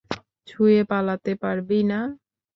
ছুঁয়ে পালাতে পারবি না।